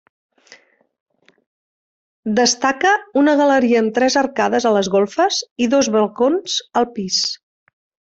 Destaca una galeria amb tres arcades a les golfes i dos balcons al pis.